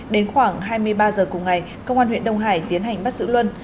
đến khoảng hai mươi ba h cùng ngày công an huyện đông hải tiến hành bắt giữ luân